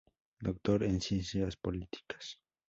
Doctor en Ciencias Políticas.